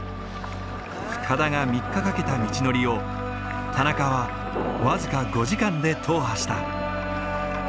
深田が３日かけた道のりを田中は僅か５時間で踏破した。